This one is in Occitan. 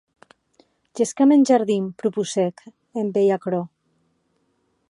Gescam en jardin, proposèc, en veir aquerò.